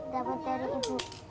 dapat dari ibu